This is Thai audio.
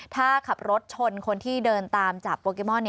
ถ้าขับรถชนคนที่เดินตามจับโปเกมอน